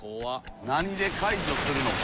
何で解除するのか？